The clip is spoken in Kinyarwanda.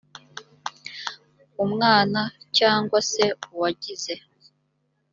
umwana cyangwa se uwagize